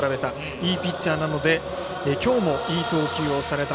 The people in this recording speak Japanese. いいピッチャーなので、今日もいい投球をされた。